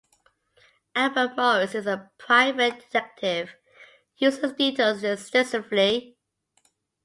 Albert Morris is a private detective who uses dittos extensively.